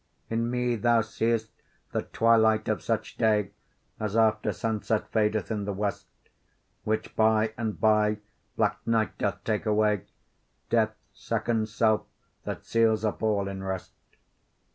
In me thou see'st the twilight of such day As after sunset fadeth in the west; Which by and by black night doth take away, Death's second self, that seals up all in rest.